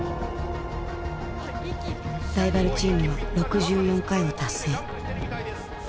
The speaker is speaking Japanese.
ライバルチームは６４回を達成。